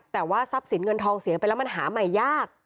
แต่ว่าทรัพย์สินเงินทองเสียไปแล้วมันหาใหม่ยาก